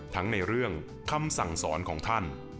ทั้งในเรื่องคำสั่งสอนของท่าน